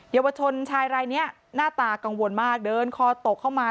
เยาวชนชายรายนี้หน้าตากังวลมากเดินคอตกเข้ามา